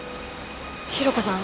広子さん